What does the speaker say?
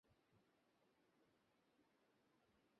আমি কি দাদার অন্নেই প্রতিপালিত নহি।